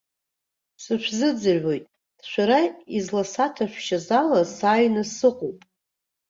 Сышәзыӡырҩуеит, шәара изласаҭәашәшьаз ала, сааины сыҟоуп!